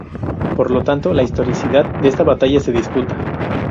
Por lo tanto, la historicidad de esta batalla se disputa.